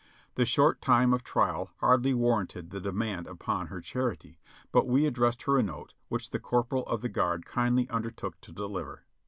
The short time of trial hardly warranted the demand upon her charity, but we addressed her a note, which the corporal of the guard kindly undertook to deliver.